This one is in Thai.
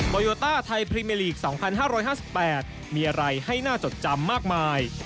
ปอยโอต้าไทยพรีเมอร์ลีกสองพันห้าร้อยห้าสิบแปดมีอะไรให้น่าจดจำมากมาย